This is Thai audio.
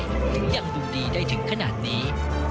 ถึงยังดูดีได้ถึงขนาดนี้